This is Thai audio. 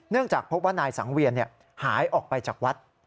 จากพบว่านายสังเวียนหายออกไปจากวัด